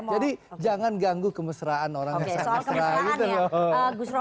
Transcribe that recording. jadi jangan ganggu kemesraan orang yang sangat ngerasain gitu loh